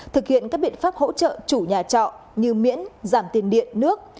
thực hiện các biện pháp hỗ trợ chủ nhà trọ như miễn giảm tiền điện nước